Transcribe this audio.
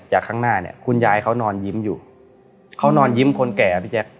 ข้างหน้าเนี่ยคุณยายเขานอนยิ้มอยู่เขานอนยิ้มคนแก่อ่ะพี่แจ๊ค